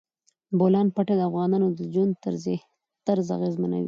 د بولان پټي د افغانانو د ژوند طرز اغېزمنوي.